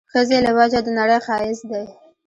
ښځې له وجه د نړۍ ښايست دی